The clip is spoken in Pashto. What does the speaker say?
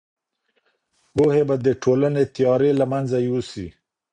پوهه به د ټولني تیارې له منځه یوسي.